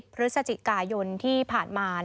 พฤศจิกายนที่ผ่านมา